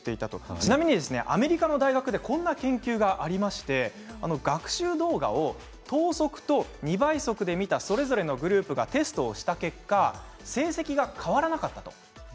ちなみにアメリカの大学でこんな研究がありまして学習動画を等速と２倍速で見たそれぞれのグループがテストをした結果成績が変わらなかった。